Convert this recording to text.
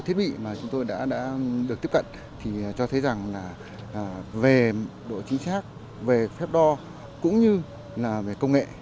thiết bị mà chúng tôi đã được tiếp cận thì cho thấy rằng là về độ chính xác về phép đo cũng như là về công nghệ